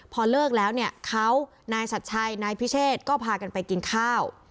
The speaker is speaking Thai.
พอเลิกแล้วเนี่ยเขานายชัดชัยนายพิเชษก็พากันไปกินข้าว